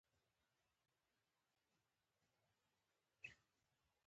د پیزو د ارزښت ټیټېدو په اړه د دوی وړاندوېنه سمه وه.